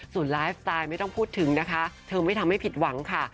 ส่วนไลฟ์สไตล์ไม่ต้องพูดถึงนะคะเธอไม่ทำให้ผิดหวังค่ะ